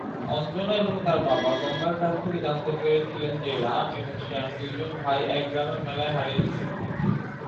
অঞ্জনা এবং তার বাবা গঙ্গার কাছ থেকে জানতে পেরেছিলেন যে রাম এবং শ্যাম দু'জন ভাই এক গ্রামের মেলায় হারিয়েছিলেন।